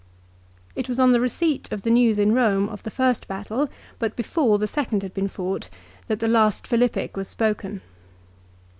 It was on the receipt of the news in Rome of the first battle, but before the second had been fought, that the last Philippic was spoken.